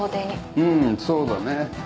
うんそうだね。